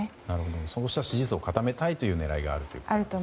そうした支持層を固めたいという狙いがあると。